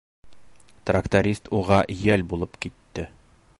Тракторист уға йәл булып китте.